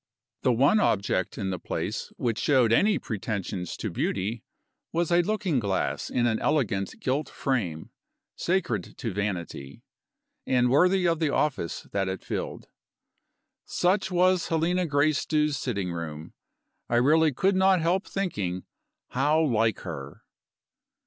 The one object in the place which showed any pretensions to beauty was a looking glass in an elegant gilt frame sacred to vanity, and worthy of the office that it filled. Such was Helena Gracedieu's sitting room. I really could not help thinking: How like her!